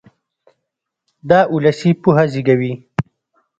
دا اولسي پوهه زېږوي.